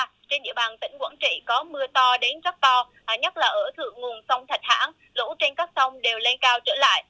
trên địa bàn tỉnh quảng trị có mưa to đến rất to nhất là ở thượng nguồn sông thạch hãn lũ trên các sông đều lên cao trở lại